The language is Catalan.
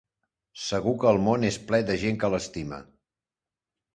Segur que el món és ple de gent que l'estima.